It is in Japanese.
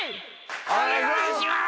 おねがいします！